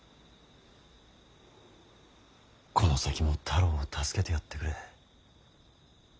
この先も太郎を助けてやってくれ。